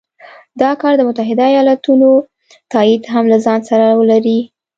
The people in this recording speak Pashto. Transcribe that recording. دا کار د متحدو ایالتونو تایید هم له ځانه سره ولري.